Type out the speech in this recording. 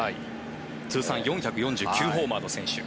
通算４４９ホーマーの選手。